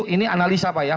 ini analisa pak ya